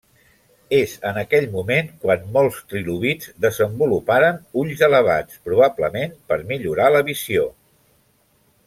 És en aquell moment quan molts trilobits desenvoluparen ulls elevats, probablement per millorar la visió.